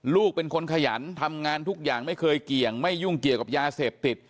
ลูกเป็นคนขยันทำงานทุกอย่างไม่เคยเกี่ยงไม่ยุ่งเกี่ยวกับยาเสพติด